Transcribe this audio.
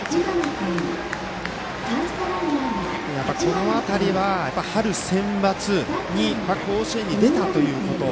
この辺りは春センバツに甲子園に出たということ。